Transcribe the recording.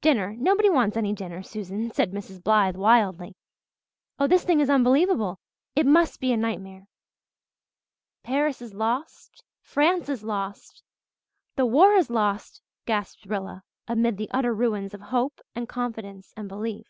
"Dinner! Nobody wants any dinner, Susan," said Mrs. Blythe wildly. "Oh, this thing is unbelievable it must be a nightmare." "Paris is lost France is lost the war is lost," gasped Rilla, amid the utter ruins of hope and confidence and belief.